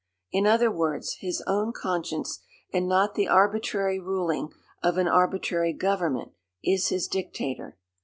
In other words, his own conscience, and not the arbitrary ruling of an arbitrary government, is his dictator.